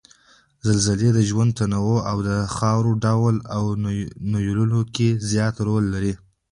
زلزلې د ژوند تنوع او د خاورو ډول او نويولو کې زیات رول لري